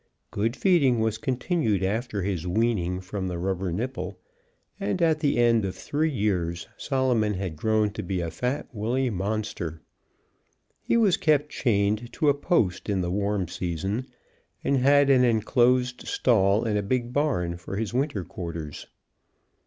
Good feeding was continued after his weaning from the rubber nipple, and at the end of three years Solomon had grown to be a fat wooly monster. He was kept chained to a post in the warm season, and had an enclosed stall in a big barn for his winter quarters.